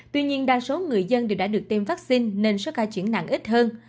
tuy nhiên đa số người dân đều đã được tiêm vaccine nên số ca chuyển nặng ít hơn